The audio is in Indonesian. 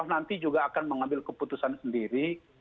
nanti juga akan mengambil keputusan sendiri